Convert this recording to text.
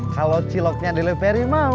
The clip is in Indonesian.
kalau ciloknya dileperi mau